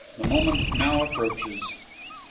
The moment now approaches." Dr.